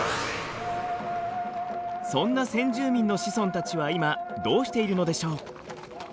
そんな先住民の子孫たちは今どうしているのでしょう？